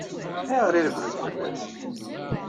Ayɣer i regglent fell-as?